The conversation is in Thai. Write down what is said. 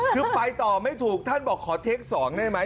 คือไปต่อไม่ถูกท่านบอกขอเทค๒ได้ไหม